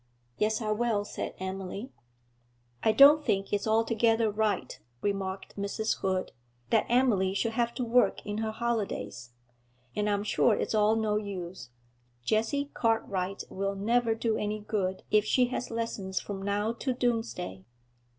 'Yes, I will,' said Emily. 'I don't think it's altogether right,' remarked Mrs. Hood, 'that Emily should have to work in her holidays; and I'm sure it's all no use; Jessie Cartwright will never do any good if she has lessons from now to Doomsday.'